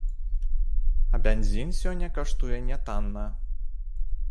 А бензін сёння каштуе нятанна.